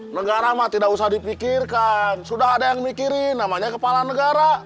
negara mah tidak usah dipikirkan sudah ada yang mikirin namanya kepala negara